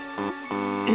え？